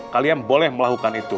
kalian boleh melakukan itu